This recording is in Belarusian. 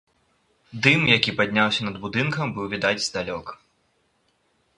Дым, які падняўся над будынкам, быў відаць здалёк.